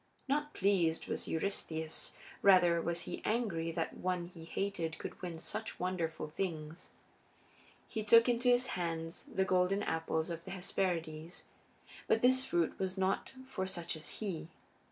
Not pleased was Eurystheus; rather was he angry that one he hated could win such wonderful things. He took into his hands the golden apples of the Hesperides. But this fruit was not for such as he.